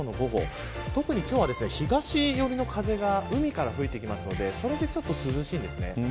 特に今日は東寄りの風が海から吹いてきますのでそれでちょっと涼しいんです。